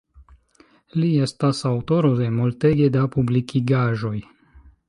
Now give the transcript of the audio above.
Li estas aŭtoro de multege da publikigaĵoj.